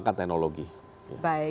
sytuasional dari bahwa